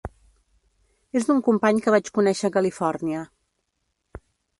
És d'un company que vaig conèixer a Califòrnia.